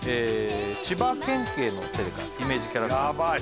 千葉県警のテレカイメージキャラクターヤバイ